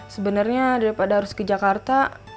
sebenarnya daripada harus ke jakarta